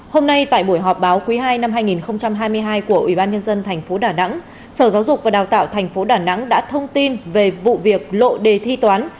hôm nay tại buổi họp báo quý ii năm hai nghìn hai mươi hai của ủy ban nhân dân tp đà nẵng sở giáo dục và đào tạo tp đà nẵng đã thông tin về vụ việc lộ đề thi toán